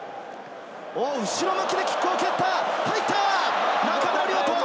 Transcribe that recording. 後ろ向きでキックを蹴って入った、中村亮土。